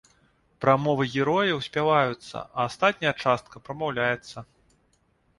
Прамовы герояў спяваюцца, а астатняя частка прамаўляецца.